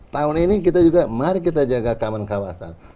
tahun ini kita juga mari kita jaga keamanan kawasan